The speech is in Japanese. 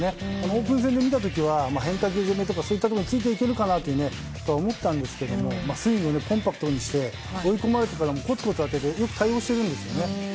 オープン戦で見た時は変化球とかにそういったのにもついていけるかなと思ったんですけどスイングをコンパクトにして追い込まれてからもこつこつ当てて対応しているんですよね。